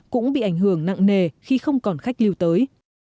cũng bị ảnh hưởng nặng nề khi không còn khách lưu tới